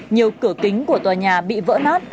nhiều cửa kính của tòa nhà bị vỡ nát